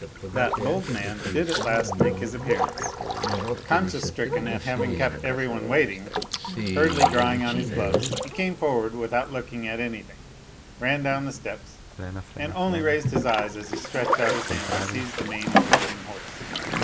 That bold man did at last make his appearance. Conscience stricken at having kept every one waiting, hurriedly drawing on his gloves, ho came forward without looking at anything, ran down the steps, and only raised his eyes as he stretched out his hand to seize the mane of the waiting horse.